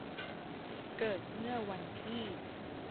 เกิดเมื่อวันที่